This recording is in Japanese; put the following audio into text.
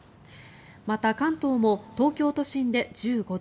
また、関東も東京都心で１５度